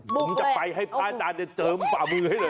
ผมจะไปให้พระอาจารย์เจิมฝ่ามือให้เลย